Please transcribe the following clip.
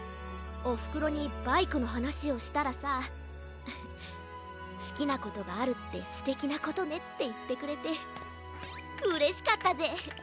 おふくろにバイクのはなしをしたらさ「すきなことがあるってすてきなことね」っていってくれてうれしかったぜ。